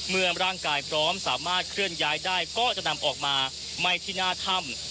เมื่อร่างกายพร้อมสามารถเคลื่อนย้ายได้ก็จะนำออกมาไหม้ที่หน้าถ้ำ